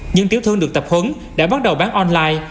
những tiểu thương được tập huấn đã bắt đầu bán online